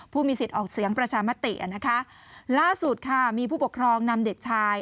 ผู้มีสิทธิ์ออกเสียงประชามติอ่ะนะคะล่าสุดค่ะมีผู้ปกครองนำเด็กชาย